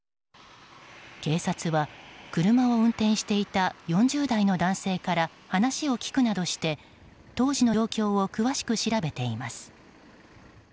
警察は車を運転していた４０代の男性から話を聞くなどして当時の状況を詳しく調べています。